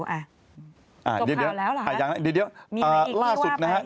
กลับข่าวแล้วเหรอฮะมีอะไรที่พี่ว่าไปล่าสุดนะครับ